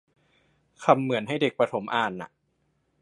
คำเหมือนให้เด็กประถมอ่านน่ะ